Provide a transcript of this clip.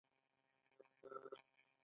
لندن ته په تګ سره یې خپل برخلیک بدل کړ.